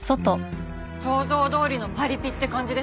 想像どおりのパリピって感じでしたね。